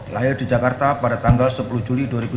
lahir di jakarta pada tanggal sepuluh juli dua ribu sembilan belas